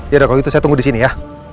ya udah kalau gitu saya tunggu disini ya